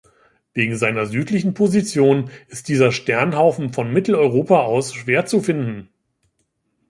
Wegen seiner südlichen Position ist dieser Sternhaufen von Mitteleuropa aus schwer zu finden.